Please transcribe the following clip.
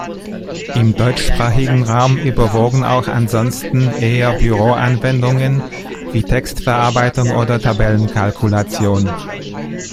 Im deutschsprachigen Raum überwogen auch ansonsten eher Büroanwendungen wie Textverarbeitung oder Tabellenkalkulation.